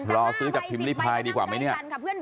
รอซื้อจากพิมพ์ริพายดีกว่าไหมเนี่ย